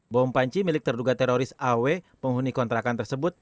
bom panci milik terduga teroris aw penghuni kontrakan tersebut